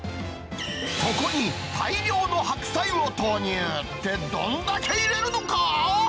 そこに大量の白菜を投入って、どんだけ入れるのか？